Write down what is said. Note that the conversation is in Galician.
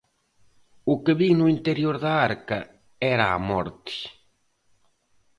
O que vin no interior da arca era a morte.